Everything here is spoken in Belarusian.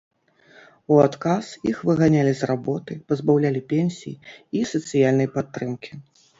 У адказ іх выганялі з работы, пазбаўлялі пенсій і сацыяльнай падтрымкі.